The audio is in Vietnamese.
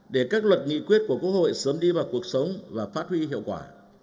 để các luật nghị quyết của quốc hội sớm đi vào cuộc sống và phát huy hiệu quả